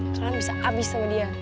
kalian bisa abis sama dia